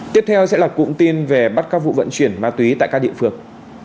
tiếp theo sẽ là cụm tin về bắt các vụ vận chuyển ma túy tại các địa phương